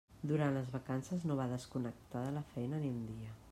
Durant les vacances no va desconnectar de la feina ni un dia.